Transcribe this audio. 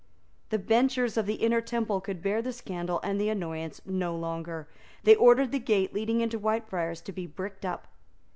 The benchers of the Inner Temple could bear the scandal and the annoyance no longer. They ordered the gate leading into Whitefriars to be bricked up.